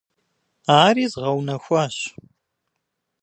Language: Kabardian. Ари згъэунэхуащ.